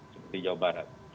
seperti jawa barat